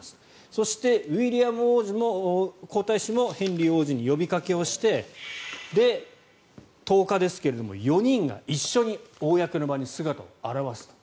そして、ウィリアム皇太子もヘンリー王子に呼びかけをして１０日ですが４人が一緒に公の場に姿を現すと。